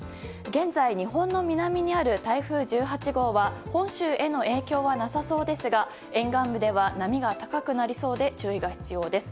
現在、日本の南にある台風１８号は本州への影響はなさそうですが沿岸部では波が高くなりそうで注意が必要です。